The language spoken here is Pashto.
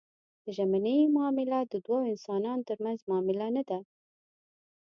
د ژمنې معامله د دوو انسانانو ترمنځ معامله نه ده.